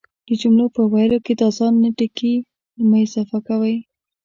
د جملو په ويلو کی دا ځان نه ټکي مه اضافه کوئ،